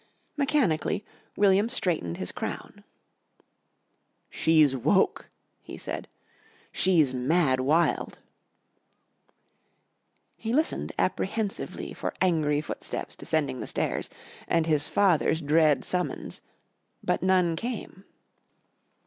Mechanically William straightened his crown. "She's woke," he said. "She's mad wild." He listened apprehensively for angry footsteps descending the stairs and his father's dread summons, but none came.